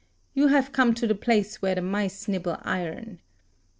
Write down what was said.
You have come to the place where the mice nibble iron.